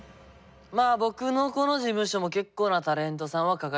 まあ僕のこの事務所も結構なタレントさんは抱えています。